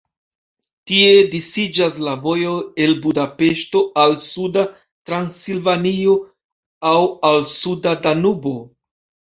Tie disiĝas la vojoj el Budapeŝto al suda Transilvanio aŭ al suda Danubo.